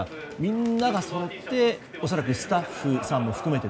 みんながそろって恐らくスタッフさんも含めて。